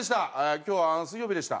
「今日は『水曜日』でした。